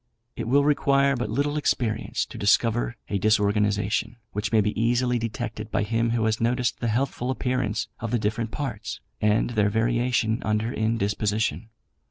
It will require but little experience to discover a disorganisation, which may be easily detected by him who has noticed the healthful appearance of the different parts and their variation under indisposition.